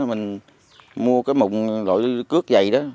mình mua cái mùng loại cước dày đó